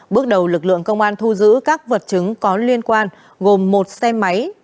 bước đầu lực lượng công an thu giữ các vật chứng có liên quan gồm một xe máy